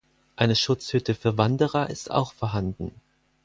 Eine Schutzhütte für Wanderer ist auch vorhanden.